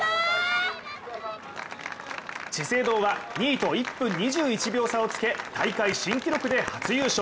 資生堂は２位と１分２１秒差をつけ、大会新記録で初優勝。